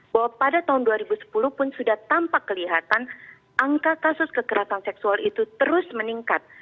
bahwa pada tahun dua ribu sepuluh pun sudah tampak kelihatan angka kasus kekerasan seksual itu terus meningkat